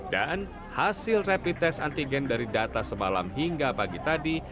dan hasil repli tes antigen dari data semalam hingga pagi tadi